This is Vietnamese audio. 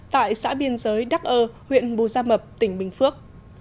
tại xã biên giới đắc ơ huyện bù gia mập tỉnh bình phước